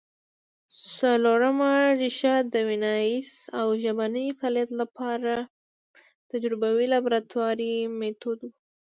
څلورمه ریښه د ویناييز او ژبني فعالیت له پاره تجربوي لابراتواري مېتود وو